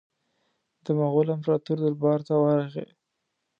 د مغول امپراطور دربار ته ورغی.